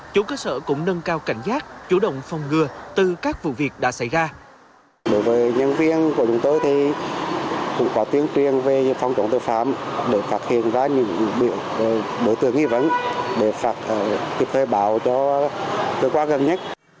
chủ cơ sở cũng nâng cao cảnh giác chủ động phòng ngừa từ các vụ việc đã xảy ra